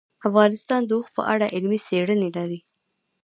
افغانستان د اوښ په اړه علمي څېړنې لري.